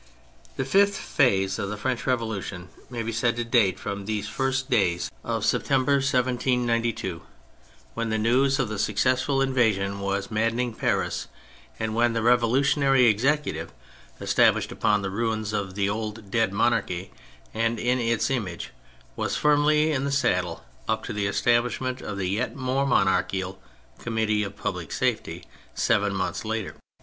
The fifth phase of the French Revolution may be said to date from these first days of THE PHASES 119 September 1792, when the news of the success ful invasion was maddening Paris, and when the revolutionary Executive, established upon the ruins of the old dead monarchy and in its image, was firmly in the saddle, up to the establishment of the yet more monarchical " Committee of Public Safety," seven months later.